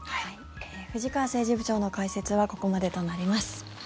藤川政治部長の解説はここまでとなります。